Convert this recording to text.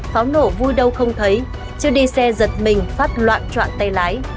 pháo nổ vui đâu không thấy chưa đi xe giật mình phát loạn trọn tay lái